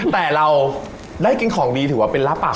แต่เราได้กินของดีถือว่าเป็นรับปาก